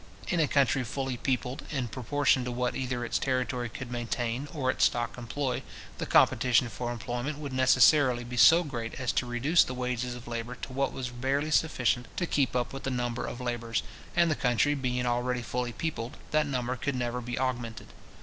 In a country fully peopled in proportion to what either its territory could maintain, or its stock employ, the competition for employment would necessarily be so great as to reduce the wages of labour to what was barely sufficient to keep up the number of labourers, and the country being already fully peopled, that number could never be augmented.